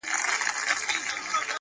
هره تجربه نوی درک رامنځته کوي!